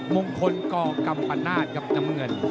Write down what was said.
โมงคนกกำบรรนาสที่ยอมน้ำเงิน